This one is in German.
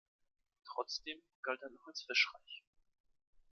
Trotzdem galt er noch als fischreich.